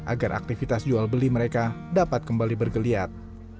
agar aktivitas jual beli mereka dapat kembali bergeliat